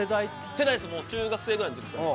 世代っすもう中学生ぐらいの時ですかね